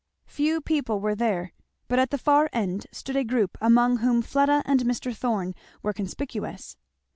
Few people were there; but at the far end stood a group among whom Fleda and Mr. Thorn were conspicuous.